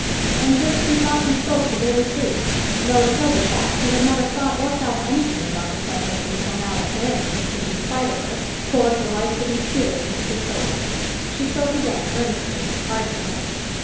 And Thurston thought he spoke the very truth, though in sober fact he had never thought or felt anything about the subject until now that Marian, his inspirer, poured her life giving spirit into his soul. She spoke again, earnestly, ardently.